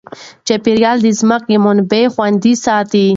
چاپیریال د ځمکې منابع خوندي ساتي.